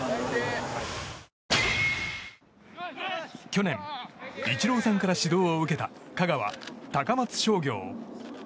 去年、イチローさんから指導を受けた香川・高松商業。